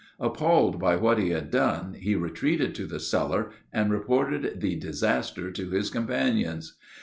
Appalled by what he had done, he retreated to the cellar and reported the disaster to his companions.